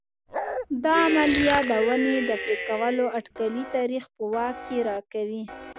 دا عملیه د ونې د پرې کولو اټکلي تاریخ په واک کې راکوي